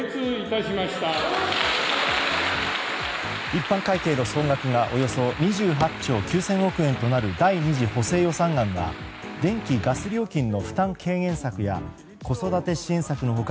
一般会計の総額がおよそ２８兆９０００億円となる第２次補正予算案は電気・ガス料金の負担軽減策や子育て支援策の他